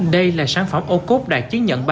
đây là sản phẩm ô cốp đạt chứng nhận